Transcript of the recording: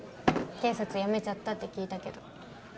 警察やめちゃったって聞いたけど。